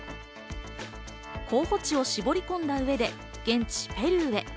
候補地を絞り込んだ上で、現地ペルーへ。